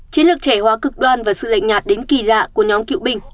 chiến lược trẻ hóa cực đoan và sự lệnh nhạt đến kỳ lạ của nhóm cựu binh